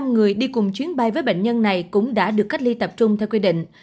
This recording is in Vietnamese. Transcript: một trăm sáu mươi năm người đi cùng chuyến bay với bệnh nhân này cũng đã được cách ly tập trung theo quy định